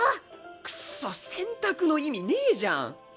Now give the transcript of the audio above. くっそ選択の意味ねえじゃん。